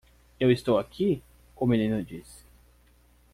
"Eu estou aqui?" o menino disse.